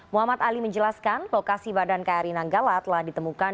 muhammad ali menjelaskan lokasi badan kri nanggala telah ditemukan